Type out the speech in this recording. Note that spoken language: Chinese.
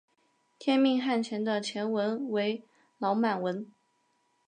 天命汗钱的钱文为老满文。